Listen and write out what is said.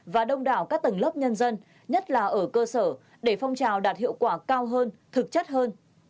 và đông đảo các tầng lớp nhân dân nhất là ở cơ sở để phong trào đạt hiệu quả cao hơn thực chất hơn